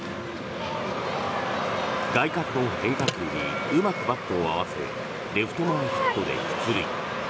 外角の変化球にうまくバットを合わせレフト前ヒットで出塁。